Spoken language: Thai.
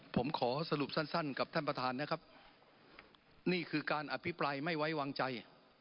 ผมขอสรุปสั้นกับท่านประธานนะครับนี่คือการอภิปรายไม่ไว้วางใจ